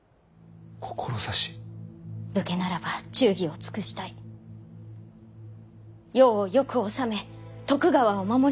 武家ならば忠義を尽くしたい世をよく治め徳川を守りたい。